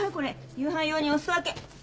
夕飯用にお裾分け。